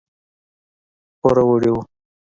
پوروړي وو.